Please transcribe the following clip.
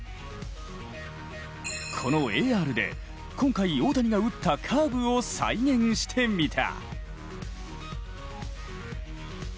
このＡＲで今回、大谷が打ったカーブを再現してみた。